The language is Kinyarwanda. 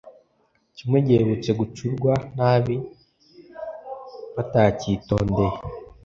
kimwe giherutse gucurwa nabi batakitondeye